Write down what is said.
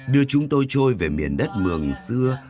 đưa chúng tôi trôi về miền đất mường xưa